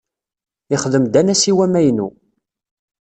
Yezdem-d anasiw amaynu.